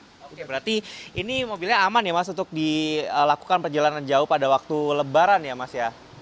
oke berarti ini mobilnya aman ya mas untuk dilakukan perjalanan jauh pada waktu lebaran ya mas ya